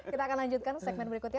kita akan lanjutkan segmen berikutnya